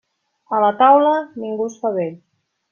A la taula, ningú es fa vell.